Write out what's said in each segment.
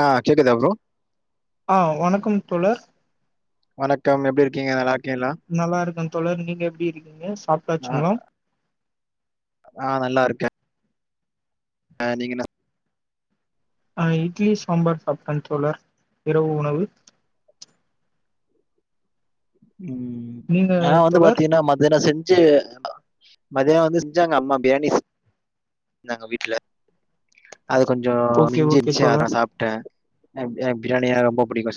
ஆ கேக்குதா ப்ரோ ஆ வணக்கம் தோழர் வணக்கம் எப்படி இருக்கீங்க நல்லா இருக்கீயளா நல்லா இருக்கும் தொடர் நீங்க எப்டி இருக்கீங்க சாப் ஆ ஆ நல்லா இருக்கே ஆ நீங்க என்ன சா ஆ இட்லி சாம்பார் சாப்ட்ட தோழர் இரவு உணவு உம் நீங்க நா வந்து தோழர் பாத்தீங்கன்னா மத்தியானொ செஞ்சு அ மதியோ வந்து செஞ்சாங்க அம்மா பிரியாணி இருந்தாங்க வீட்ல அது கொஞ்சம் ஓகே ஓகே மிஞ்சுச்சு அதா தோழர் சாப்ட்டேன் எப்டியு பிரியாணிய ரொம்ப பிடிக்கும்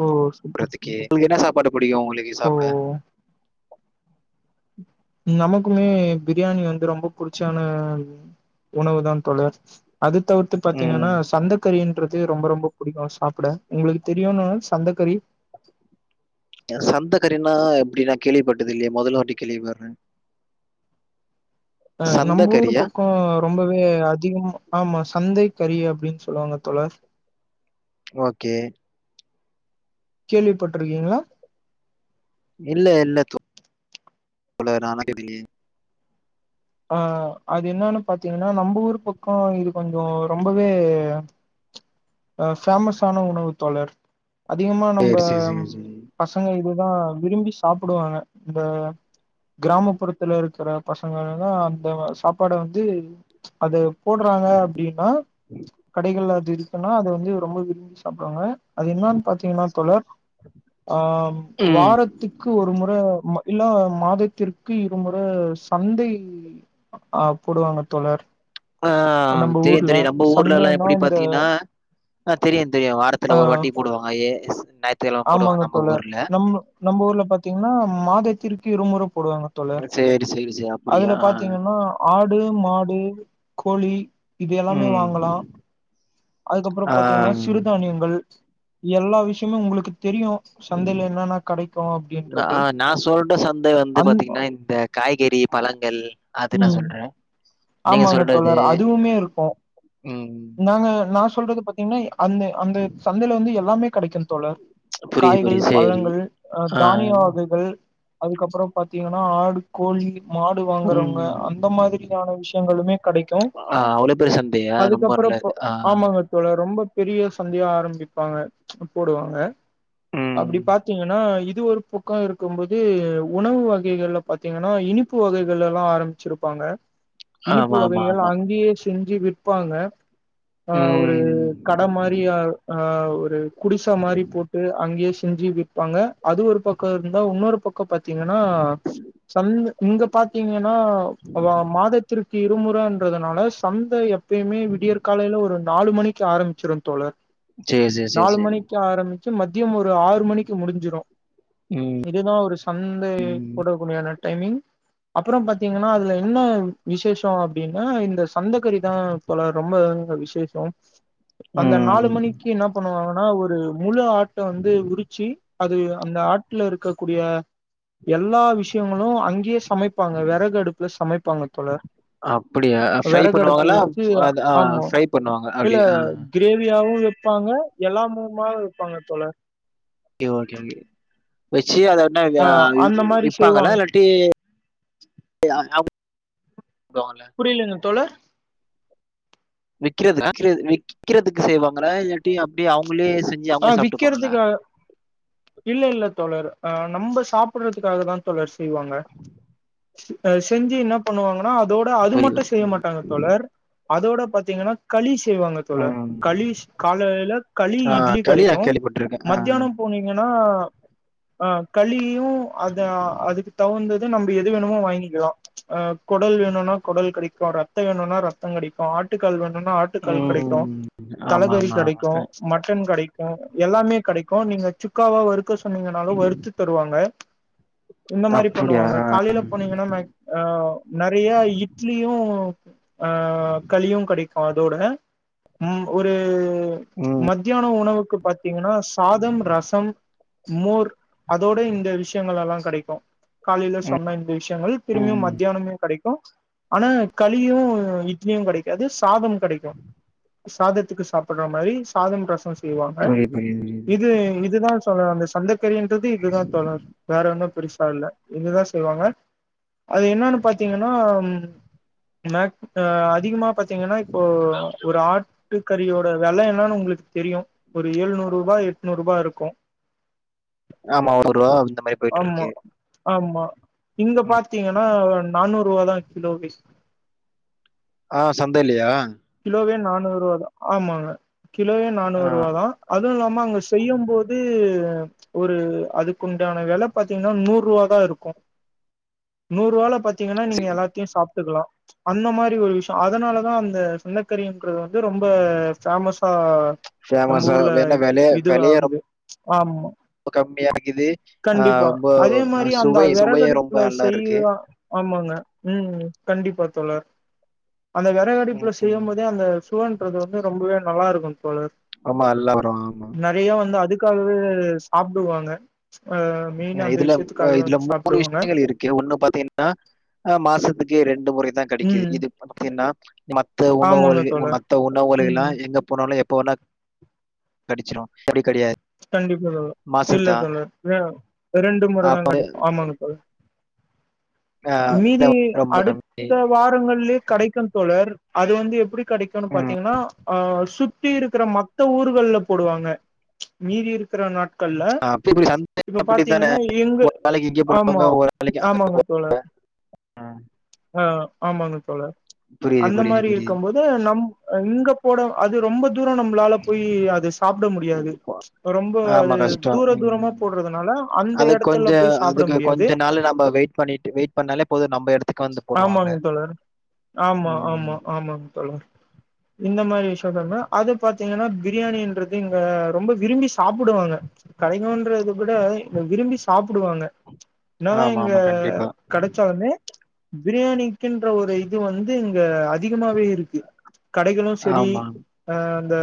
ஓ சூப்பர் சூப்பர் உங்களுக்கு தோழர். என்ன சாப்பாடு பிடிக்கும் உங்களுக்கு ஓ சாப்ட நமக்குமே பிரியாணி வந்து ரொம்ப புிடிச்சான உணவு தா தோவர் அது தவுர் த்து ம். பாத்தீங்கன்னா சந்தக்கறின்றது ரொம்ப ரொம்ப பிடிக்கும் சாப்ட உங்களுக்கு தெரியுமா சந்தக்கறி சந்துகரினா எப்டி நா கேள்விப்பட்டது இல்லையே முதல்ல வாட்டி கேள்விப்படுறேன் ஆ சந்த நம்ம ஊரு கறியா? பக் கொ ரொம்பவே அதிகம் ஆமா சந்தை கறி அப்படின்னு சொல்லுவாங்க தோழர் ஓகே கேள்விப்பட்டிருக்கீங்களா இல்ல இல்ல தோழர் [inaudible] ஆ அது என்னன்னு பாத்தீங்கன்னா நம்ம ஊர் பக்கொ இது கொஞ்சம் ரொம்பவே அ ஃபேமஸான உணவுத் தோழர் அதிகமா நம்ப சரி சரி சரி சரி. பசங்க இதுதான் விரும்பி சாப்டுவாங்க இந்த கிராமப்புறத்துல இருக்கிற பசங்கள் எல்லா அந்த சாப்பாட வந்து அத போடுறாங்க அப்டின்னா கடைகள அது இருக்குன்னா அத வந்து ரொம்ப விரும்பி சாப்டுவாங்க அது என்னன்னு பாத்தீங்கன்னா தோழர் ஆ ம். வாரத்து க்கு ஒரு முற இல்லா மாதத்திற்கு இருமுற சந்தை ம் ஆ போடுவாங்க தோழர் ஆ நம்ம தெரியும் ஊர்ல தெரியும் நம்ம ஊர்ல எல்லாம் சந்தைன்னா எப்டி இந்த பாத்தீங்கன்னா ஆ தெரியும் தெரியும் ஆ வாரத்துல ஒரு வாட்டி போடுவாங்க ஏ ஞாயி ஆமாங்க தோழர் நம் நம்ம ஊர்ல பாத்தீங்கன்னா மாதத்திற்க இருமுற போடுவாங்க ஆ தோழர் சேரி சேரி சே யா அதுல அப்படியா? பாத்தீங்கன்னா ஆடு மாடு கோழி இது எல்லாமே ம். வாங்கலா அதுக்கப்பறோ ஆ. பாத்தீங்கன்னா சிறுதானியங்கள் எல்லா விஷ்யமு உங்ளுக்கு தெரியு சந்தையில என்னென்ன கெடைக்கு நா அப்டின்றது ஆ நா சொல்ற சந்த வந்து அந் பாத்தீங்கன்னா இந்த காய்கறி, பழங்கள் அது நா ம் சொல்றே ஆமாங்க தோழர் அதுவுமே இருக்கோ ம். நாங்க நா சொல்றது பாத்தீங்கன்னா அந்த அந்த சந்தையில வந்து எல்லாமே கிடைக்கோ தோழர் புரியுது, காய்கள், புரியுது. சரி. பழங்கள், அ ஆ. தானியா வகைகள் அதுக்கப்பறோ பாத்தீங்கன்னா ஆடு, கோழி, மாடு வாங்குறவங்க ம். அந்த மாரியான விஷயங்களுமே கெடைக்கோ ஆ அவ்ளோ பெரிய சந்தையா? ரொம்ப அதுக்கப்பறோ போ நல்லது. ஆ ஆமாங்க தோழர் ரொம்ப பெரிய சந்தையா ஆரம்பிப்பாங்க போடுவாங்க ம். அப்டி பாத்தீங்கனா இது ஒரு பு க்கோ இருக்கும்போது உணவு வகைகள்ல பாத்தீங்கனா இனிப்பு வகைகளலா ஆரமிச்சிருப்பாங்க இனிப்பு ஆமா, ஆமா, வகைகள் ஆமா. அங்கியே செஞ்சு விப்பாங்க ஆ ஒரு ம். கடமாரியா ஆ ஒரு குடிசா மாரி போட்டு அங்கியே செஞ்சு வி ப்பாங்க அது ஒரு பக்கோ இருந்தா உன்னொரு பக்கோ பாத்தீங்கனா சந்த இங்க பாத்தீங்கனா அதா மாதத்திற்கு இருமுறன்றதுனால சந்த எப் பயுமே விடியற் காலைல ஒரு நாலு மணிக்கு ஆரமிச்சிரு தோழர் சரி, சரி, சரி, நாலு சரி. மணிக்கு ஆரமி ச்சு மத்யம் ஒரு ஆறு மணிக்கு முடிஞ்சிரு ம். இதுதா ஒரு சந்தை போடக்கூடியன டைமிங் அப்புறோம் பாத்தீங்கனா அதுல என்ன விசேஷோ அப்டின்னா இந்த சந்தக்கறிதா போல ரொம்ப விஷ் ஷேசோ அந்த நாலு ம். மணிக்கு என்ன பண்ணுவாங்கனா ஒரு முழு ஆட்ட வந்து உரிச்சி அது அந்த ஆட்ல இருக்கக்கூடிய எல்லா விஷ் ஷியங்களோ அங்கியே சமைப்பாங்க வெறகு அடுப்புல சமைப்பாங்க தோழர் அப்படியா? வெறகடுப்பு வச்சி ஆமா எப் பண்ணுவாங்க அப்படி இல்ல ஆ. கிரேவியாவு வெப்பாங்க எல்லாமுமாவு வெப்பாங்க தோழர் கே ஓகே ஓகே வச்சி அத என்ன ஆ இதா அந்த மாரி விப்பாங்களா செய்வாங்க இல்லாட்டி இதெல்லாம் உடுவாங்ள புரிலங்க தோழர் விக்கிறது விக்கிறது விக்கிறதுக்கு செய்வாங்களா இல்லாட்டி அப்டியே அவுங்களே செஞ் ஆ விக்கறதுக்கா இல்ல இல்ல தோழர் ஆ நம்ம சாப்றதுக்காகதா தோழர் செய்வாங்க அது செஞ்சி என்ன பண்ணுவாங்கனா அதோட அது மட்டு புரியுது. செய்ய மாட்டாங்க தோழர் அதோட பாத்தீங்கனா களி செய்வாங்க தோழர் ம். களிஸ் காலைல களி ஆ இட்லி களியா கெடைக்கு கேள்விப்பட்டுருக்கேன். ஆ. மத்யானோ போனீங்கனா ஆ களியு அதா அதுக்கு தவுந்த து நம்ம எது வேணுமோ வாங்கிக்கிலா ஆ கொடல் வேணுனா கொடல் கெடைக்கு ரெத்தோ வேணுனா ரெத்தோ கெடைக்கு ஆட்டுக்கால் வேணுனா ஆ ட்டுக்கால் கெடைக்கு ம். ஆமா, தலகறி ஆமா, கெடைக்கு ஆமா. மட்டன் கெடை க்கு எல்லாமே கெடைக்கு நீங்க சுக்காவா வறுக்க சொன்னீங்கனாலு வறுத்து தருவாங்க இந்த மாரி அப்படியா? பண்ணுவாங்க காலைல போனீங்கனா மேக் ஆ நெறையா இட்லியு ஆ களியு கெடைக்கு அதோட ம் ஒரு ம் மத்யானோ உணவுக்கு பாத்தீங்கனா சாதம் ரசம் மோர் அதோட இந்த விஷியங்களலா கெடைக்கு காலைல ம். சொன்ன இந்த விஷ்யங்கள் திருமியு ம். மத்யானமு கெடைக்கு ஆனா களியு இட்லியு கெடைக்காது சாதம் கெடைக்கு சாதத்துக்கு சாப்புற மாரி சாதம் ரசோ செய்வாங் க புரியுது, புரியுது, புரியுது. இது இதுதான் சொல்ல வந்த சந்த கறின்றது இதுதான் தோழர் வேற ஒன்னு பெருசா இல்ல இதுதா செய்வாங்க அது என்னனு பாத்தீங்கனா ம் மத் அ அதிகுமா பாத் தீங்கனா இப்போ ஒரு ஆட்டு கறியோட வெல என்னனு உங்ளுக்கு தெரியு ஒரு எழுநூருபா எட்நூருபா இருக்கு ஆமா ஒரு ரூவா அந்த மாரி ஆமா போயிட்டுருக்கு. ஆமா இங்க பாத்தீங்கன்னா நானூறு ரூவா தா கிலோவே ஆ சந்தையிலேயா கிலோவே நானூறு ரூவ தா ஆமாங்க கிலோவே நானூறு ரூப தா அது இல்லாம அங்க செய்யும்போது ஒரு அதுக்குண்டான வெல பாத்தீங்கன்னா நூறு ரூவ தா இருக்கு நூறு ரூவால பாத்தி பாத்திங்கன்னா நீங்க சரி. எல்லாத்தையு சாப்பிட்டுக்கலா அந்த மாரி ஒரு விஷியோ அதனாலதா அந்த சந்தக்கறிங்குரது வந்து இது ரொம்ப பேஃஸா நம்ம ஃபேமஸா ஊர்ல என்ன விலை இது விலையா ரொம்ப ஆகுது ஆமா கம்மியாக்குது ஆ கண்டிப்பா ரொம்ப அதே மாரி அஹ் அந்த சுவை சுவையே ரொம்ப வெறகடுப்புல நல்லா இருக்கு. செய்வா ஆமாங்க ம் கண்டிப்பா தோழர் அந்த வெரகடுப்புல செ ம் செய்யும்போதே அந்த சுவன்றது வந்து ரொம்பவே நல்லா இருக்கு தோழர் ஆமா எல்லா வருவாங்க ப்ரோ நறையா வந்து அதுக்காகவே சாப்பிடுவாங்க ஆ இதுல இதுல மூணு விஷயங்கள் இருக்கு ஒன்னு பாத்தீங்கன்னா மாசத்துக்கே ரெண்டு முறைதா கடைக்குது ம் இது பாத்தின்னா மத்த ஆமாங்க உணவுகள்கு ஒரு தோழர் மத்த உணவுகள்கு எல்லா ம் எங்க போனாலு எப் போனா கடிச்சிரு அப்படி கெடையாது கண்டிப்பா தோழர் மாசம் இல்ல தான். தோழர் ஆ ரெண்டு முறை தா அப்ப கெடைக்கு ஆமாங்க தோழர் அ மீதி ரொம்ப கம்மி. அடுத்த வாரங்களிலயே கடைக்கு தோழர் அது வந்து எப்படி கடைக்கும்னு ம் பாத்தீங்கன்னா ஆ சுத்தி சுத்தி இருக்கிற மத்த ஊர்கள்ல போடுவாங்க மீதி இருக்கிற நாட்க கள்ள அப்டி இப்டி சந்தை இப்ப அப்டித்தானே. பாத்தீங்கன்னா எங்கு ஒரு நாளைக்கு இங்க போடுவாங்க, ஆமா ஒரு நாளைக்கு அங்க ஆமாங்க தோழர் ஆ ஆமாங்க தோழர் புரியுது, அந்த புரியுது, மாரி புரியுது. இருக்கும் போது து நம் இங்க போட அது ரொம்ப தூரோ நம்மளால போய் அது சாப்பிட முடியாது ரொம்ப ஆமா அது கஷ்டம். தூர தூரமா ம். போடுறதுனால அந்த அதுக்கு எடத்துல கொஞ்சம் போய் சாப்பிட அதுக்கு முடியாது கொஞ்ச நாள் நம்ம வெயிட் பண்ணிட்டு வெயிட் பண்ணாலே போது நம்ம எடுத்து ஆமாங்க தோழர் ஆமா ம். ஆமா ஆமாங்க தோழர் இந்த மாரி விஷயங்கன்னா அது பாத்தீங்கன்னா பிரியாணன்றது இங்க ரொம்ப விரும்பி சாப்பிடுவாங்க கடைங்கனுன்றத விட இங்க விரும்பி சாப்பிடுவாங்க என்னதா ஆமா, இங்க ஆமா. கண்டிப்பா. கடை தோழனே பிரியாணிக்குன்ற ஒரு இது வந்து இங்க அதிகமாவே இருக்கு கடைகளு சரி ஆமா. அ அந்த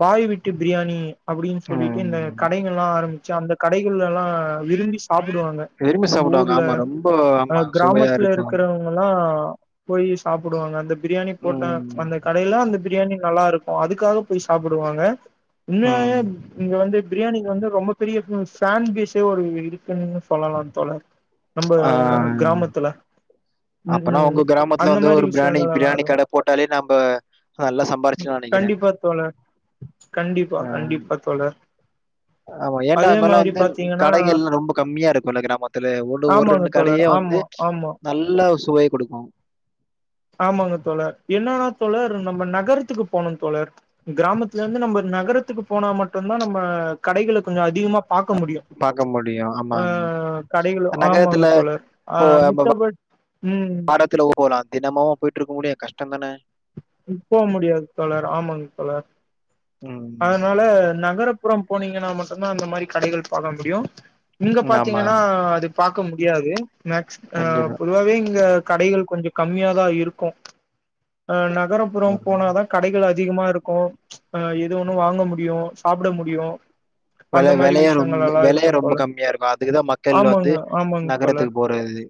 பாய் வீட்டு பிரியாணி அப்படின்னு சொல்லிட்டு இந்த ம். கடைகள் எல்லா ஆரம்பிச்சு அந்த கடைகள் எல்லா விரும்பி சாப்பிடுவாங்க விரும்பி சாப்பிடுவாங்க ஆமா ரொம்ப ஆமா சுவையா இருக்கு இருக்கிறவங்க எல்லா போய் சாப்பிடுவாங்க அந்த பிரியாணி போட்டா ம். அந்த கடையில அந்த பிரியாணி நல்லா இருக்கு அதுக்காக போய் சாப்பிடுவாங்க இன்னவரைய ம். இங்க வந்து பிரியாணிக்கு வந்து ரொம்ப பெரிய ஃபேன் பேஸே ஒரு இருக்குன்னு சொல்லலா தோழர் நம்ப ஆ. கிராமத்துல ம் அப்பனா ம் உங்க கிராமத்துல அந்த வந்து மாரி ஒரு பிரியாணி விஷயங்கள் எல்லா பிரியாணி இருக்கு கடை போட்டாலே நம்ப நல்லா சம்பாரிச்சுடலாம்னு நெனைக்கிறேன். கண்டிப்பா தோழர் கண்டிப்பா அ கண்டிப்பா தோழர் ஆமா ஏனா அதே அங்கல்லா மாரி வந்து பாத்தீங்கன்னா கடைகள்ல்லா ரொம்ப கம்மியா இருக்கு இல்லையா கிராமத்துல ஒ ஒரு ஆமாங்க ரெண்டு தோழர் கடையே வந்து ஆமா ஆமா நல்ல சுவை குடுக்கு ஆமாங்க தோழர் என்னன்னா தோழர் நம்ம நகரத்துக்கு போனு தோழர் கிராமத்துலந்து நம்ம நகரத்துக்கு போனா மட்டுதா நம்ம கடைகள கொஞ்ச அதிகமா பாக்க முடியு பாக்க முடியும். ஆமா, ஆ ஆமா. கடைகளு ஆமாங்க நகரத்துல தோழர் ஆ மித்தபடி ம் த்துல போலா தினமாவா போயிட்ருக்க முடியு கஷ்டோ தான போ முடியாது தோழர் ஆமாங்க தோழர் அதனால ம் நகர்புறம் போனீங்கன்னா மட்டுதா அந்த மாரி கடைகள் பாக்க முடியு இங்க ஆமா பாத்தீங்கன்னா அது பாக்க முடியாது மேக்ஸி கண்டிப்பா பொதுவாவே இங்க கடைகள் கொஞ்ச கம்மியா தா இருக்கு அ நகரபுறோ போன தா கடைகள் அதிகமா இருக்கு அ எது ஒண்ணு வாங்க முடியு சாப்ட முடியு அந்த விலை மாரி விலைய விஷயங்கள் ரொம்ப எல்லா விலைய இருக்கும் ரொம்ப தோழர் கம்மியா இருக்கும் அதுக்குதான் மக்கள் வந்து ஆமாங்க ஆமாங்க தோழர் நகரத்துக்கு போறது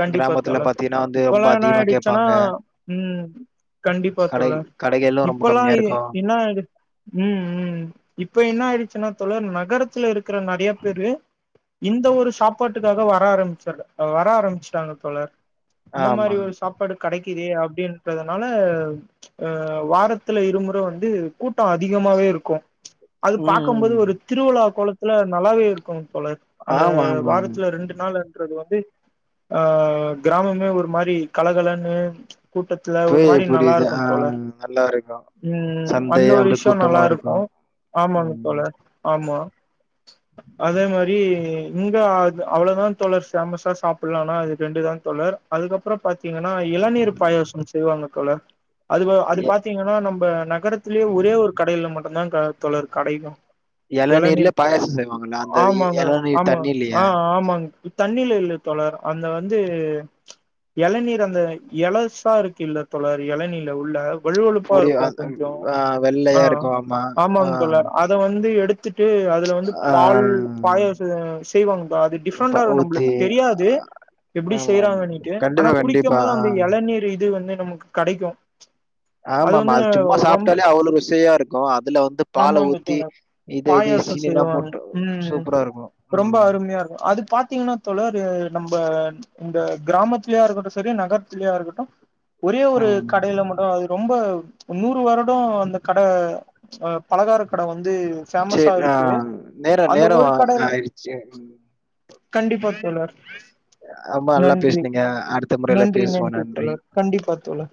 கண்டிப்பா கிராமத்துல தோழ பாத்தீங்கன்னா வந்து ரொம்ப இப்பல்லா என்ன அதிகமா ஆயிடுச்சன்னா கேட்பாங்க ம் கண்டிப்பா கடை தோழர் கடைகளும் ரொம்ப இப்பல்லா கம்மியா இருக்கும் என்னா ஆய்டு ம் ம் இப்ப என்ன ஆயிடுச்சுன்னா தோழர் நகரத்துல இருக் இருக்கற நெறைய பேரு இந்த ஒரு சாப்பாட்டுக்காக வர ஆரம்பிச்சர வர ஆரம்பிச்சட்டாங்க தோழர் இந்த மாரி ஆமா ஒரு சா ப்பாடு கெடைக்கிதே அப்டின்றதுனால அ வாரத்துல இருமுற வந்து கூட்டோ அதிகமாவே இருக்கு அது ம் பாக்கபோது ஒரு திருவிழா கோலத்துல நல்லாவே இருக்கு தோழர் அந்த ஆமா ஆமா ஆமா வாரத்துல ரெண்டு நாள் அது வந்து ஆ கிராமமே ஒரு மாரி கலகலன்னு கூட்டத்துல ஒரு புரியுது மாரி நல்லா புரியுது இருக்கு ஆ தோழர் நல்லா இருக்கும் ம் சந்தை அந்த ஒரு அப்படி விஷ்யோ கூட்டமா நல்லா இருக்கு இருக்கும் ஆமாங்க ம். தோழர் ஆமா அதே மாரி இங்க அது அவ்ளோதா தோழர் ஃபேமஸா சாப்பல்லா அனா அது ரெண்டு தா தோழர் அதுக்கப்றோ பாத்தீங்கன்னா இளநீர் பாயசம் செய்வாங்க தோழர் அது பாத்தீங்கன்னா நம்ம நகரத் லே ஒரே ஒரு கடையில மட்டுதா தோழர் கடைக்கு இளநீர்ல எளநீர்க்கு பாயாசம் செய்வாங்கல்ல அந்த ஆமாங்க இளநீர் ஆமாங்க தண்ணி இல்லையா ஆ ஆமாங்க தண்ணில இல்ல தோழர் அந்த வந்து எளநீர் அந்த எலசா இருக்கு இல்ல தோழர் எளநீல உள்ள வழுவழுப்பா புரியு இருக்கு அ கொஞ்சோ ஆ ஆ வெள்ளையா இருக்கு ஆமா ஆ ஆமாங் தோழர் அத வந்து எடுத்துட்டு அதுல வந்து ஆ பால் பாயாசோ செய்வாங்க பா ப டிஃப்ரெண்டா எது ஊத்தி நம்மளுக்கு தெரியாது ஆஹ் எப்டி ஆமா ஆமா செய்யறாங்கண்ணிட்டு ஆனா கண்டிப்பா குடிக்க கண்டிப்பா போது ஆ அந்த எளநீர் இது வந்து நமக்கு கெடைக்கு ஆமா ஆமா அது சும்மா ரொம் சாப்ட்டாலே அவ்ளோ ருசியா இருக்கு அதுல வந்து பால ஆமாங்க ஊத்தி தோழர் இது இது பாயாசோ சீனிலா செய்வாங்க போட்டு ம் சூப்பரா இருக்கு ரொம்ப ம் அருமையா இருக்கு அதுக்கு பாத்திங்கன்னா தோழர் நம்ம இந்த கிராமத்திலயா இருக்கட்டு சரி நகரத்திலயா இருக்கட்டு ஒரே ஒரு ம் கடைல மட்டு அது ரொம்ப நூறு வரு அந்த கட பலகார கட வந்து சேரி ஆ சமஸாருக்கு நேர அந்த நேர ஒரு கடைல ஆயிடுச்சு ம் கண்டிப்பா தோழர் ரொம்ப நல்லா நன்றி பேசுனீங்க அடுத்த முறையில நன்றி பேசுவோ நன்றி தோழர் கண்டிப்பா தோழர்